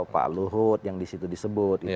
pak luhut yang disitu disebut